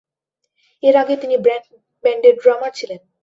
এর আগে তিনি ব্যান্ডের ড্রামার ছিলেন।